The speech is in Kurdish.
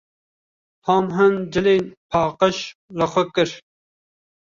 Tom hin cilên paqij li xwe kir.